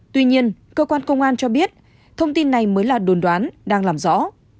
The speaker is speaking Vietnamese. tuy nhiên cơ quan công an cho biết thông tin này mới là đồn đoán đang làm rõ